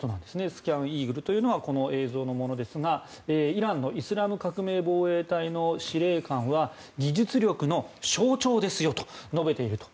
スキャンイーグルというのはこの映像のものですがイランのイスラム革命防衛隊の司令官は技術力の象徴ですよと述べていると。